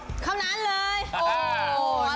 ก็คือวันที่๑กับวันที่๑๖เข้านั้นเลย